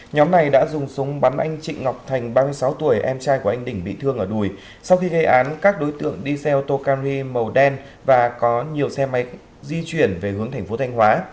nhóm này đã dùng súng bắn anh chị ngọc thành ba mươi sáu tuổi em trai của anh đỉnh bị thương ở đùi sau khi gây án các đối tượng đi xe ô tô can huy màu đen và có nhiều xe máy di chuyển về hướng thành phố thanh hóa